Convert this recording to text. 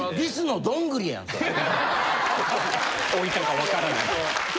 置いたかわからない。